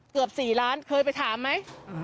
เกือบ๔ล้านเคยไปถามไหม